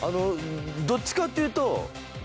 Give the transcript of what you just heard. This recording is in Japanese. どっちかっていうと。